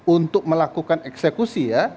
untuk melakukan eksekusi ya